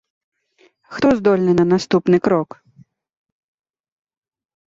Хто здольны на наступны крок?